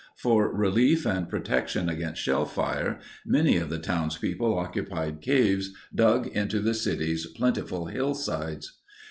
For relief and protection against shellfire, many of the townspeople occupied caves dug into the city's plentiful hillsides.